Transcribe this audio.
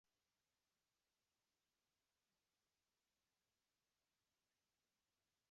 Corre primeramente hacia el este, y luego hacia el sudeste.